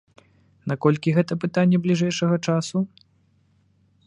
Наколькі гэта пытанне бліжэйшага часу?